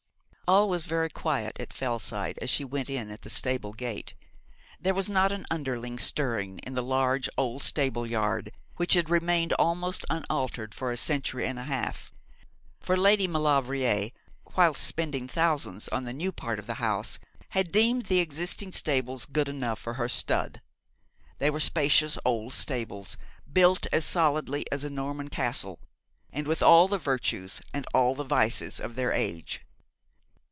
All was very quiet at Fellside as she went in at the stable gate. There was not an underling stirring in the large old stable yard which had remained almost unaltered for a century and a half; for Lady Maulevrier, whilst spending thousands on the new part of the house, had deemed the existing stables good enough for her stud. They were spacious old stables, built as solidly as a Norman castle, and with all the virtues and all the vices of their age.